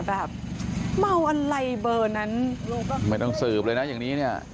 แบบเมาอะไรเบอร์นั้นไม่ต้องสืบเลยนะอย่างนี้เนี่ย